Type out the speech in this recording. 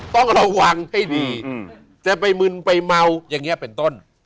ต้องระวังให้ดีจะไปมึนไปเมาอย่างนี้เป็นต้น